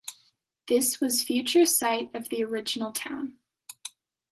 This was future site of the original town.